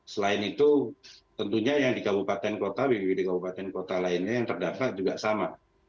selain itu tentunya yang di kabupaten kota bpbd kabupaten kota lainnya yang terdaftar juga sama